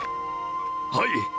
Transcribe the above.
はい。